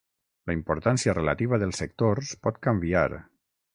La importància relativa dels sectors pot canviar.